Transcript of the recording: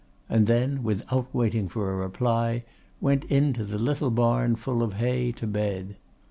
and then, without waiting for a reply, went into the little barn full of hay, to bed.